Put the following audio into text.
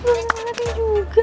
mana lagi juga